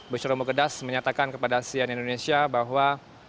bushiromu kedas menyatakan kepada sian indonesia bahwa